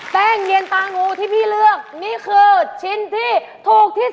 เนียนตางูที่พี่เลือกนี่คือชิ้นที่ถูกที่สุด